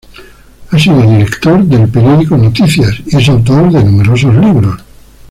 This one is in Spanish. Ha sido director del periódico "Noticias" y es autor de numerosos libros.